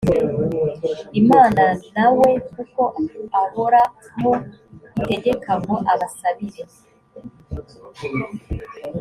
imana na we kuko ahoraho iteka ngo abasabire